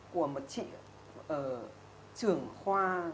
của một chị trưởng khoa